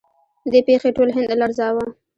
دې پیښې ټول هند لړزاوه.